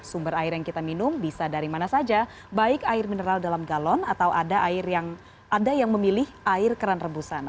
sumber air yang kita minum bisa dari mana saja baik air mineral dalam galon atau ada air yang ada yang memilih air keran rebusan